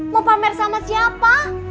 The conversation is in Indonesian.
mau pamer sama siapa